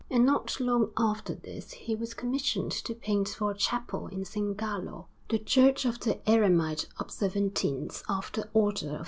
And not long after this he was commissioned to paint for a chapel in S. Gallo, the Church of the Eremite Observantines of the Order of S.